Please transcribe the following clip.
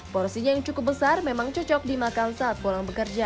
porsinya yang cukup besar memang cocok dimakan saat pulang bekerja